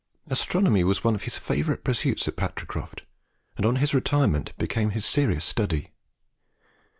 Astronomy was one of his favourite pursuits at Patricroft, and on his retirement became his serious study.